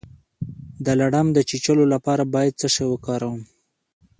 د لړم د چیچلو لپاره باید څه شی وکاروم؟